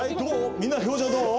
みんな表情どう？